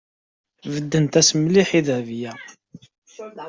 Beddent-as mliḥ i Dahbiya.